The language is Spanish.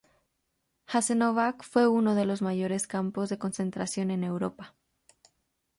Jasenovac fue uno de los mayores campos de concentración en Europa.